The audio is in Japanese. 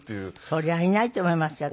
そりゃいないと思いますよ